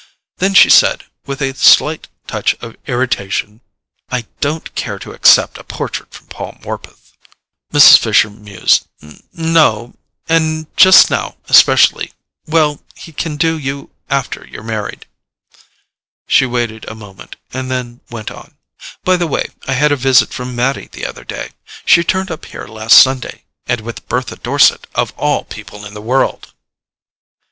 Then she said, with a slight touch of irritation: "I don't care to accept a portrait from Paul Morpeth." Mrs. Fisher mused. "N—no. And just now, especially—well, he can do you after you're married." She waited a moment, and then went on: "By the way, I had a visit from Mattie the other day. She turned up here last Sunday—and with Bertha Dorset, of all people in the world!"